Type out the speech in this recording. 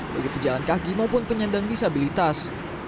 bagi pejalan kaki maupun penyandang disabilitas